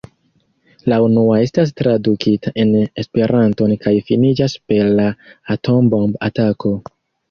La unua estas tradukita en Esperanton kaj finiĝas per la atombomb-atako.